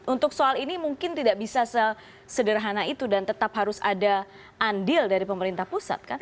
untuk soal ini mungkin tidak bisa sesederhana itu dan tetap harus ada andil dari pemerintah pusat kan